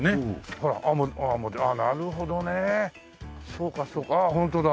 そうかそうかあっホントだ。